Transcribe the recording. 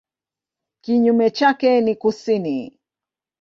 Kinyume chake ni kusini.